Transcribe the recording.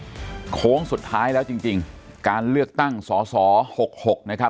ต้องบอกว่าโค้งสุดท้ายแล้วจริงการเลือกตั้งสอ๖๖นะครับ